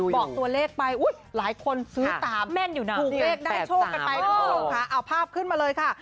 บอกตัวเลขไปหลายคนซื้อตามถูกเลขได้โชคกันไปเอาภาพขึ้นมาเลยค่ะ